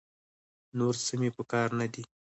نور څه مې په کار نه دي.